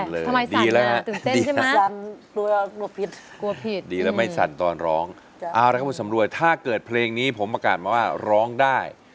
สั่นเลยดีแล้วนะครับดีแล้วไม่สั่นตอนร้องเอาละครับคุณสำรวยถ้าเกิดเพลงนี้ผมประกาศมาว่าร้องได้